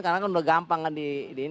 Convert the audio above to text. karena kan sudah gampang kan di ini